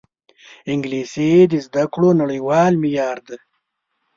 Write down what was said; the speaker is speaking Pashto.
انګلیسي د زده کړو نړیوال معیار دی